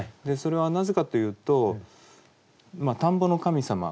それはなぜかというと田んぼの神様